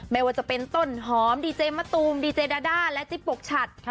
ไม่ว่าจะเป็นต้นหอมดีเจมะตูมดีเจดาด้าและจิ๊บปกฉัด